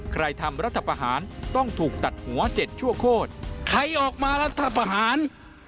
ใครทำรัฐพาหารต้องถูกตัดหัวเจ็ดชั่วโคตร